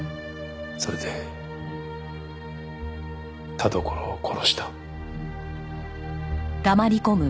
それで田所を殺した。